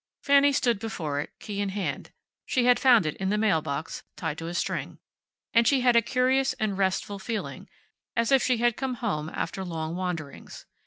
Fanny stood before it, key in hand (she had found it in the mail box, tied to a string), and she had a curious and restful feeling, as if she had come home, after long wanderings.